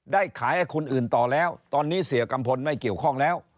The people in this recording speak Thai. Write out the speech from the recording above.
ได้ขายให้คนอื่นต่อแล้วตอนนี้เสียกัมพลไม่เกี่ยวข้องแล้ว